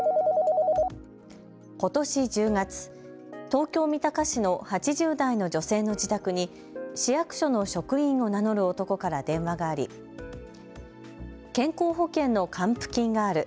ことし１０月、東京・三鷹市の８０代の女性の自宅に市役所の職員を名乗る男から電話があり健康保険の還付金がある。